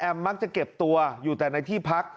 มักจะเก็บตัวอยู่แต่ในที่พัก